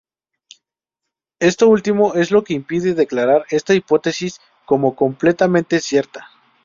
Esto último es lo que impide declarar esta hipótesis como completamente cierta.